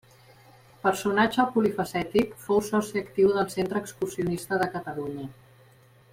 Personatge polifacètic, fou soci actiu del Centre Excursionista de Catalunya.